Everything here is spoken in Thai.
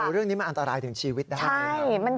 เรื่องนี้มาอันตรายถึงชีวิตนะครับ